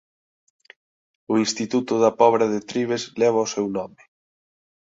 O instituto da Pobra de Trives leva o seu nome.